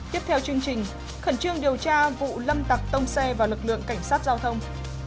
tiếp theo chương trình khẩn trương điều tra vụ lâm tặc tông xe vào lực lượng cảnh sát giao thông